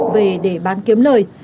về để bán kiếm lời